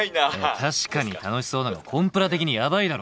確かに楽しそうだがコンプラ的にやばいだろ。